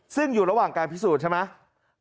ซึ่งอยู่ระหว่างการพิสูจน์ใช่ไหม